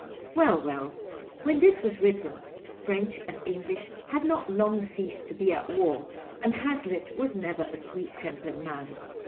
Well, well. When this was written French and English had not long ceased to be at war, and Hazlitt was never a sweet tempered man.